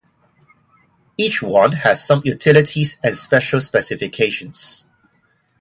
Each one has some utilities and special specifications.